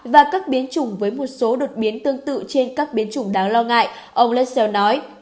và các biến chủng với một số đột biến tương tự trên các biến chủng đáng lo ngại ông lessell nói